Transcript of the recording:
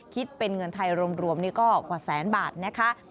คิดเป็นเงินไทยรวมนี่ก็กว่าแสนบาทนะคะ